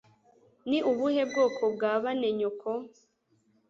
Ni ubuhe bwoko bwa bane nyoko